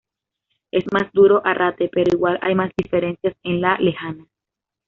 Es más duro Arrate, pero igual hay más diferencias en la Lejana"".